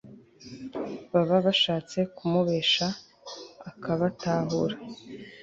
baba bashatse kumubesha akabatahura